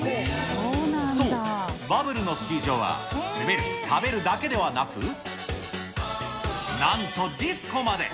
そう、バブルのスキー場は滑る、食べるだけではなく、なんとディスコまで。